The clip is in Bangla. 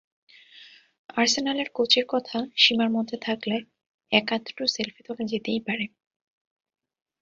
আর্সেনালের কোচের কথা, সীমার মধ্যে থাকলে এক-আধটু সেলফি তোলা যেতেই পারে।